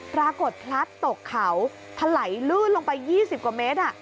พลัดตกเขาถลายลื่นลงไป๒๐กว่าเมตร